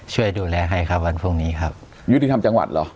ช่วยดูแลให้ครับวันพรุ่งนี้ครับยุติธรรมจังหวัดเหรอ